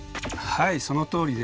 はい。